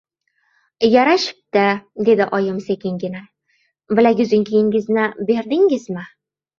— Yarashibdi, — dedi oyim sekingina. — Bilaguzugingizni berdingizmi?